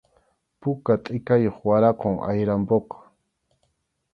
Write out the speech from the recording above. Puka tʼikayuq waraqum ayrampuqa.